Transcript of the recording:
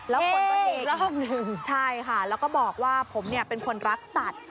แล้วก็บอกว่าผมเป็นคนรักสัตว์